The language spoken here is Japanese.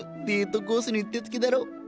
デートコースにうってつけだろ。